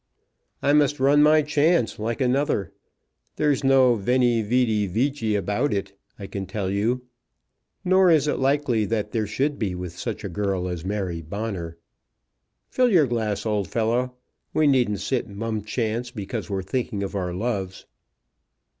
"I must run my chance like another. There's no 'Veni, vidi, vici,' about it, I can tell you; nor is it likely that there should be with such a girl as Mary Bonner. Fill your glass, old fellow. We needn't sit mumchance because we're thinking of our loves."